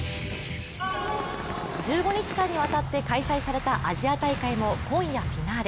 １５日間にわたって開催されたアジア大会も今夜フィナーレ。